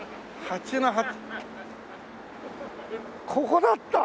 ここだった。